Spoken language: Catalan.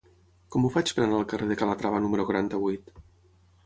Com ho faig per anar al carrer de Calatrava número quaranta-vuit?